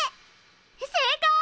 正解！